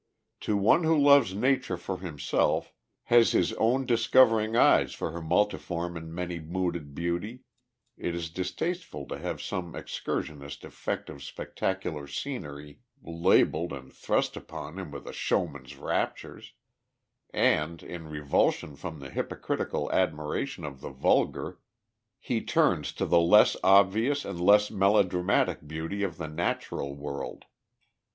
To one who loves Nature for himself, has his own discovering eyes for her multiform and many mooded beauty, it is distasteful to have some excursionist effect of spectacular scenery labelled and thrust upon him with a showman's raptures; and, in revulsion from the hypocritical admiration of the vulgar, he turns to the less obvious and less melodramatic beauty of the natural world.